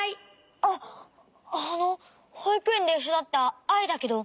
あっあのほいくえんでいっしょだったアイだけど。